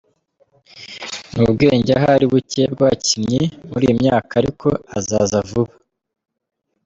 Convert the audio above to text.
Ni ubwenge ahari bucye bw’abakinnyi muri iyi myaka ariko azaza vuba.